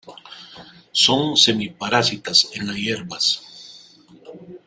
Son semi-parásitas en las hierbas.